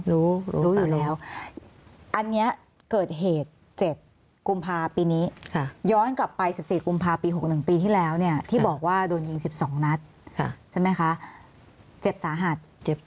รู้รู้อยู่แล้วอันนี้เกิดเหตุ๗กุมภาปีนี้ย้อนกลับไป๑๔กุมภาพี๖๑ปีที่แล้วเนี่ยที่บอกว่าโดนยิง๑๒นัดใช่ไหมคะเจ็บสาหัส